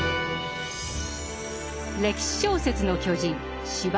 歴史小説の巨人司馬